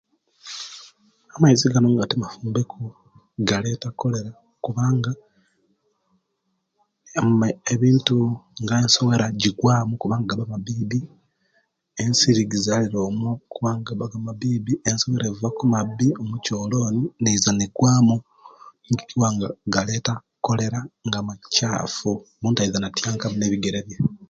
Amaizi gano nga timafumbe ku galeta kolera kubanga ebintu nga ensowera gigwamu kubanga gaba mabibi, ensiri gizalira omwo kubanga gaba mabibi ensowera giva kumabi mukyoloni neiza negwamu nikyo ekiwa nga gàleta kolera nga mukyafu omuntu aiza natyankamu nebigere bye